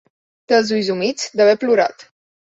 Té els ulls humits d'haver plorat.